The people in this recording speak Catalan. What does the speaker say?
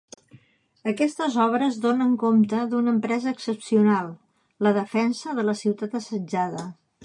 Aquestes obres donen compte d’una empresa excepcional: la defensa de la ciutat assetjada.